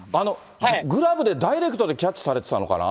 グラブでダイレクトでキャッチされてたのかな？